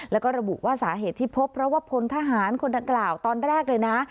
แล้วก็ระบุว่าสาเหตุที่พบเพราะว่าพลทหารคนดังกล่าวตอนแรกเลยนะ